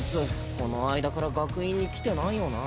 この間から学院に来てないよな